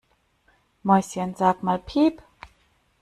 Mäuschen, sag mal piep!